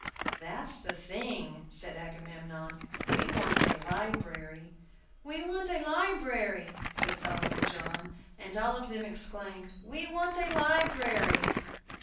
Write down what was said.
"That's the thing!" said Agamemnon. "We want a library." "We want a library!" said Solomon John. And all of them exclaimed, "We want a library!"